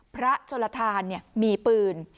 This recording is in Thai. พระโชลธานมีปืน